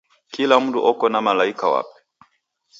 Kila mndu oko na malaika wape.